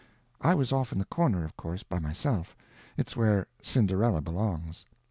I was off in the corner, of course, by myself—it's where Cinderella belongs.